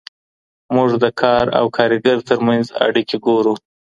موږ د کار او کارګر تر منځ اړيکي ګورو.